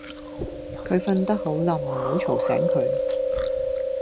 佢瞓得好稔唔好嘈醒佢